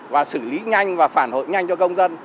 và xử lý nhanh và phản hội nhanh cho công dân